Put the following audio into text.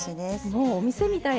もうお店みたい。